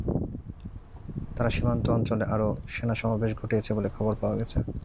তারা সীমান্ত অঞ্চলে আরও সেনা সমাবেশ ঘটিয়েছে বলে খবর পাওয়া গেছে।